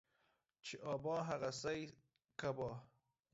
چي ابا ، هغه سي يې کبا.